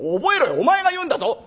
お前が言うんだぞ？